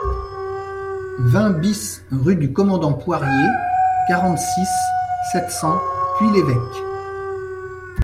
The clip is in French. vingt BIS rue du Commandant Poirier, quarante-six, sept cents, Puy-l'Évêque